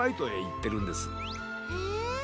へえ。